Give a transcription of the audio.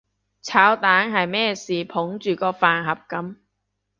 炒蛋係咩事捧住個飯盒噉？